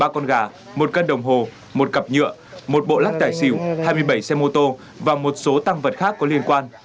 ba con gà một cân đồng hồ một cặp nhựa một bộ lắc tài xỉu hai mươi bảy xe mô tô và một số tăng vật khác có liên quan